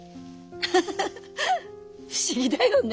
ハハハハ不思議だよね。